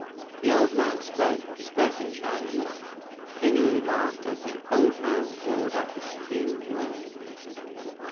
The old man spoke. He spoke in Chinese. Ping Lu laughed as the old man poured out a stream of words.